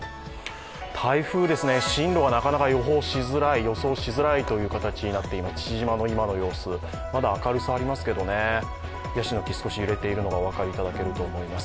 台風ですね、進路がなかなか予想しづらいという形になっていて今、父島の今の様子まだ明るさ少しありますけどもヤシの木少し揺れているのがお分かりいただけると思います。